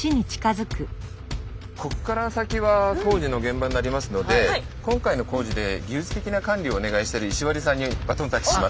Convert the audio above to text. ここから先は工事の現場になりますので今回の工事で技術的な管理をお願いしている石割さんにバトンタッチします。